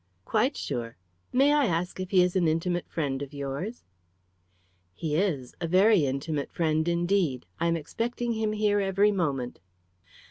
"Quite sure. May I ask if he is an intimate friend of yours?" "He is a very intimate friend indeed. I am expecting him here every moment."